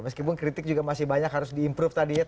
meskipun kritik juga masih banyak harus di improve tadi ya